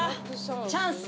チャンス！